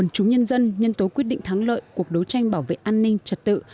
chúng nhân dân nhân tố quyết định thắng lợi cuộc đấu tranh bảo vệ an ninh trật tự